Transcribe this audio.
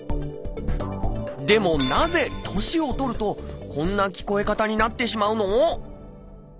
でもなぜ年を取るとこんな聞こえ方になってしまうの？